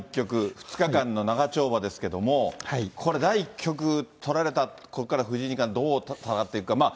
２日間の長丁場ですけれども、これ、第１局取られた、ここから藤井二冠、どう戦っていくか。